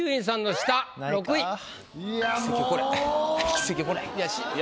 奇跡起これ。